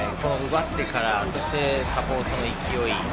奪ってからサポートの勢い。